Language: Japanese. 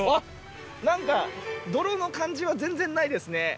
なんか泥の感じは全然ないですね。